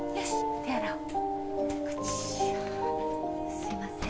すいません。